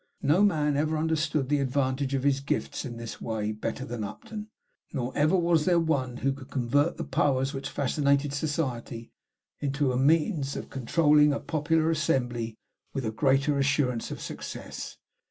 No man ever understood the advantage of his gifts in this way better than Upton, nor ever was there one who could convert the powers which fascinated society into the means of controlling a popular assembly, with greater assurance of success.